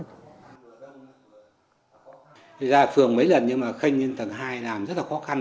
thì ra phường mấy lần nhưng mà khenh nhân tầng hai làm rất là khó khăn